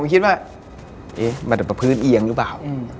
มันเป็นประพื้นเอียงหรือเปล่า